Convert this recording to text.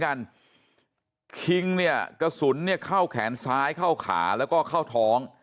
กันคิงเนี่ยกระสุนเนี่ยเข้าแขนซ้ายเข้าขาแล้วก็เข้าท้อง